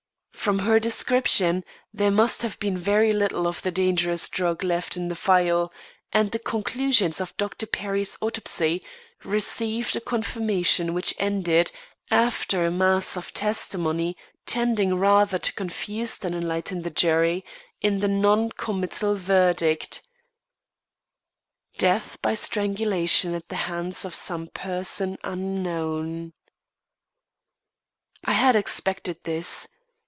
From her description, there must have been very little of the dangerous drug left in the phial; and the conclusions of Dr. Perry's autopsy received a confirmation which ended, after a mass of testimony tending rather to confuse than enlighten, the jury, in the non committal verdict: Death by strangulation at the hands of some person unknown. I had expected this.